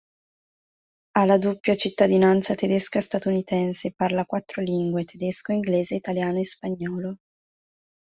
Ha la doppia cittadinanza tedesca-statunitense e parla quattro lingue; tedesco, inglese, italiano e spagnolo.